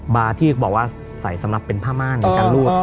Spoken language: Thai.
บาร์ที่บอกว่าใส่สำหรับเป็นผ้าม่านในการลวก